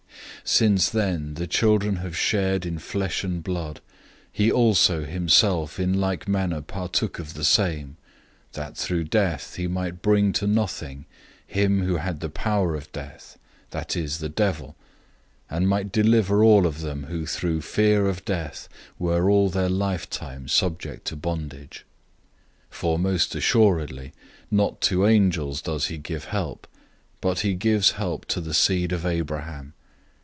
"{Isaiah 8:18} 002:014 Since then the children have shared in flesh and blood, he also himself in like manner partook of the same, that through death he might bring to nothing him who had the power of death, that is, the devil, 002:015 and might deliver all of them who through fear of death were all their lifetime subject to bondage. 002:016 For most certainly, he doesn't give help to angels, but he gives help to the seed of Abraham.